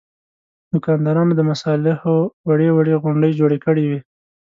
دوکاندارانو د مصالحو وړې وړې غونډۍ جوړې کړې وې.